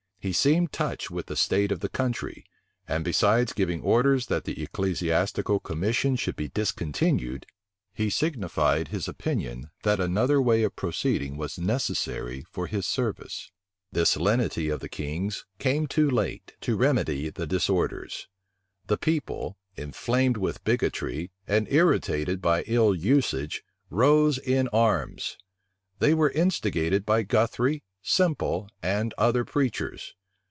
He seemed touched with the state of the country; and besides giving orders that the ecclesiastical commission should be discontinued, he signified his opinion, that another way of proceeding was necessary for his service.[] * Burnet, p 202. 1664. Burnet, p. 213 This lenity of the king's came too late to remedy the disorders. The people, inflamed with bigotry, and irritated by ill usage, rose in arms. They were instigated by Guthry, Semple, and other preachers.